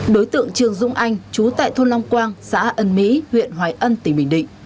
đối tượng trường dũng anh trú tại thôn long quang xã ấn mỹ huyện hoài ân tỉnh bình định